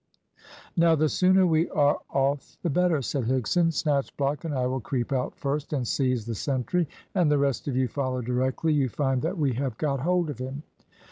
"Now the sooner we are off the better," said Higson. "Snatchblock and I will creep out first and seize the sentry, and the rest of you follow directly you find that we have got hold of him."